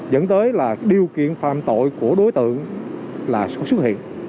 dẫn tới là điều kiện phạm tội của đối tượng là xuất hiện